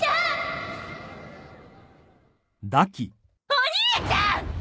お兄ちゃん！